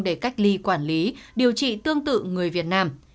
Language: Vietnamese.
để cách ly quản lý điều trị tương tự người việt nam